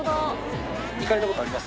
行かれたことあります？